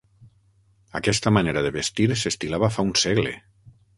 Aquesta manera de vestir s'estilava fa un segle.